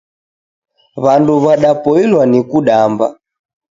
Wandu wadapoilwa ni kudamba